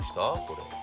これ。